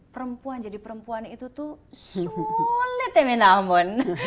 perempuan jadi perempuan itu tuh sulit ya minah amun